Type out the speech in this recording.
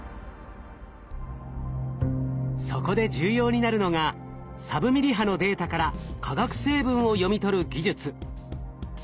そこで重要になるのがサブミリ波のデータから化学成分を読み取る技術。